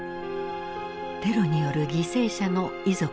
テロによる犠牲者の遺族たちだった。